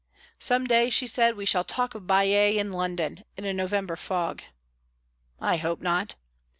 "Some day," she said, "we shall talk of Baiae in London, in a November fog." "I hope not."